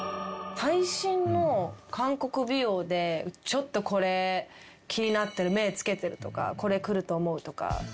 最新の韓国美容でちょっとこれ気になってる目付けてるとかこれくると思うとか。